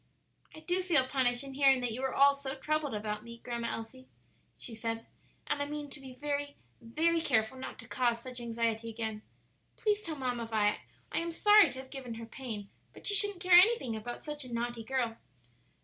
"I do feel punished in hearing that you were all so troubled about me, Grandma Elsie," she said, "and I mean to be very, very careful not to cause such anxiety again. Please tell Mamma Vi I am sorry to have given her pain; but she shouldn't care anything about such a naughty girl."